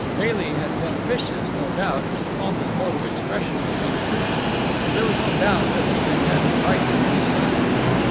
Bailey had been officious, no doubt, and his pompous mode of expression was not soothing, but there was no doubt that he had had right on his side.